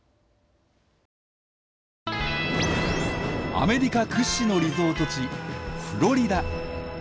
アメリカ屈指のリゾート地フロリダ。